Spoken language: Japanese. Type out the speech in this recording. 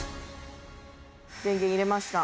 電源入れました。